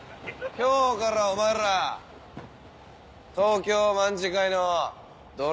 今日からお前ら東京卍會の奴隷な。